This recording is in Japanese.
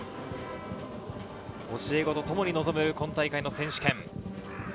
教え子とともに臨む今大会の選手権。